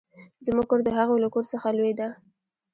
زموږ کور د هغوې له کور څخه لوي ده.